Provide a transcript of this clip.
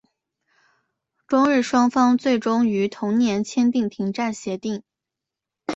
中日双方最终于同年签订停战协定。